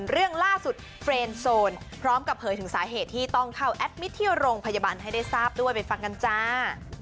เรื่องล่าสุดเฟรนโซนพร้อมกับเผยถึงสาเหตุที่ต้องเข้าแอดมิตรที่โรงพยาบาลให้ได้ทราบด้วยไปฟังกันจ้า